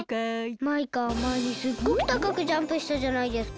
マイカまえにすっごくたかくジャンプしたじゃないですか。